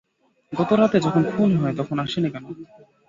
গতরাতে যখন খুন হয় তখন আসোনি কেন?